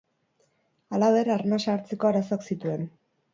Halaber, arnasa hartzeko arazoak zituen.